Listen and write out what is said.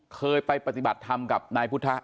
เคยไปปฏิบัติธรรมกับนายพุทธะ